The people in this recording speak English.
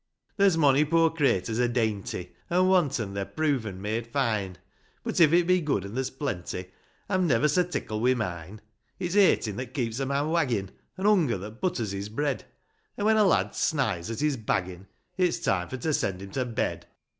There's mony poor craiters are dainty, An' wanten thsir proven made fine; But if it be good, an' there's plenty, I'm never so tickle wi' mine : It's aitin' that keeps a man waggin'. An' hunger that butters his bread ; An' when a lad snighs^ at his baggin', It's time for to send him to bed.